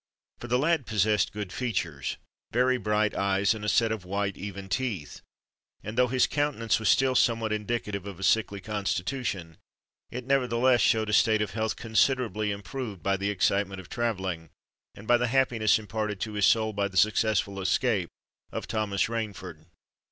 For the lad possessed good features—very bright eyes—and a set of white, even teeth; and though his countenance was still somewhat indicative of a sickly constitution, it nevertheless showed a state of health considerably improved by the excitement of travelling and by the happiness imparted to his soul by the successful escape of Thomas Rainford.